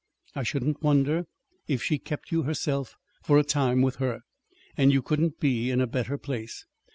I shouldn't wonder if she kept you herself, for a time, with her. And you couldn't be in a better place.